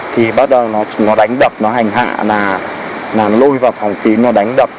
thì bắt đầu nó đánh đập nó hành hạ nó lôi vào phòng ký nó đánh đập